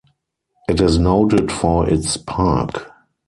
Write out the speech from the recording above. It is noted for its park.